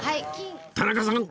田中さん